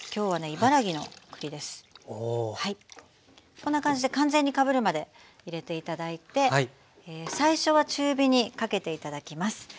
こんな感じで完全にかぶるまで入れて頂いて最初は中火にかけて頂きます。